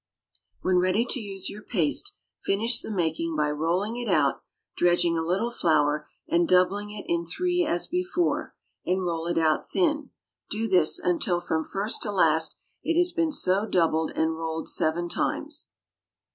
When ready to use your paste finish the making by rolling it out, dredging a little flour, and doubling it in three as before, and roll it out thin; do this until from first to last it has been so doubled and rolled seven times.